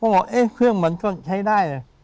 บอกเอ๊ะเครื่องมันก็ใช้ได้นะ